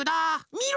みろ！